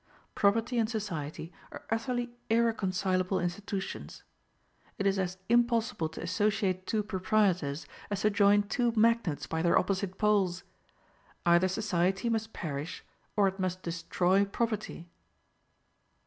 Property and society are utterly irreconcilable institutions. It is as impossible to associate two proprietors as to join two magnets by their opposite poles. Either society must perish, or it must destroy property.